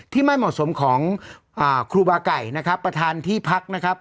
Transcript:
ไม่เหมาะสมของครูบาไก่นะครับประธานที่พักนะครับ